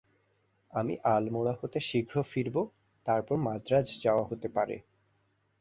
আমি আলমোড়া হতে শীঘ্র ফিরব, তারপর মান্দ্রাজ যাওয়া হতে পারে।